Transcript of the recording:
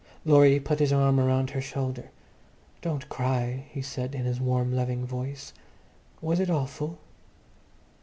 Laurie put his arm round her shoulder. "Don't cry," he said in his warm, loving voice. "Was it awful?"